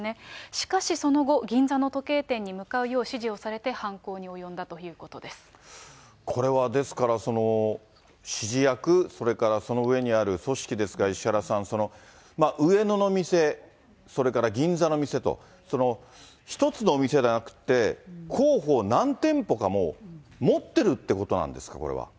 しかしその後、銀座の時計店に向かうよう指示をされて犯行に及んだということでこれはですから、指示役、それからその上にある組織ですが、石原さん、上野の店、それから銀座の店と、１つの店じゃなくて、候補を何店舗か、もう持ってるってことなんですか、これは。